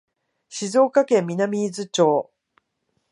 静岡県南伊豆町